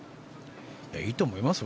いいと思いますよ